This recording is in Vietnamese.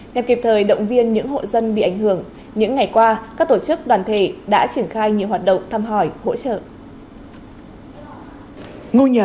nhằm kịp thời động viên những hộ dân bị ảnh hưởng những ngày qua các tổ chức đoàn thể đã triển khai nhiều hoạt động thăm hỏi hỗ trợ